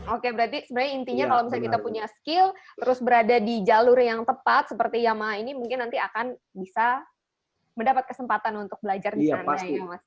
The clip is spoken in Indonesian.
oke berarti sebenarnya intinya kalau misalnya kita punya skill terus berada di jalur yang tepat seperti yama ini mungkin nanti akan bisa mendapat kesempatan untuk belajar di sana ya mas ya